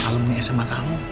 kalau menyesemak kamu